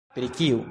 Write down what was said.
Pri kiu?